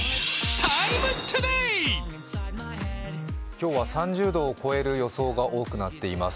今日は３０度を超える予想が多くなっています。